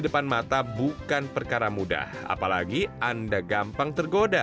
depan mata bukan perkara mudah apalagi anda gampang tergoda